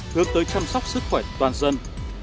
hướng tới chăm sóc sức khỏe toàn dân